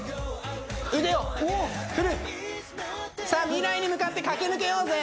腕を振るさあ未来に向かって駆け抜けようぜ！